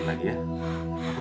aku temani kamu di sini